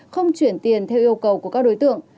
không chuyển tiền theo yêu cầu của các đối tượng